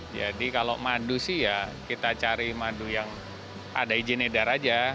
jadi kalau madu sih ya kita cari madu yang ada izin edar aja